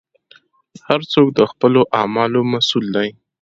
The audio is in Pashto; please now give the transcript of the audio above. هر څوک د خپلو اعمالو مسوول دی.